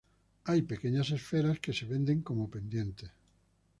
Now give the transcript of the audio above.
Hay pequeñas esferas que se venden como pendientes.